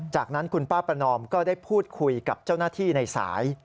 จากนั้นคุณป้าประนอมก็ได้พูดคุยกับเจ้าหน้าที่ในสาย